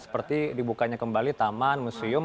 seperti dibukanya kembali taman museum